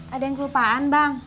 ada yang kelupaan bang